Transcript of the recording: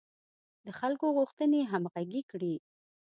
د خلکو غوښتنې همغږې کړي.